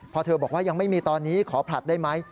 พอเธอบอกว่ายังไม่มีตอนนี้ขอผลัดได้ไหม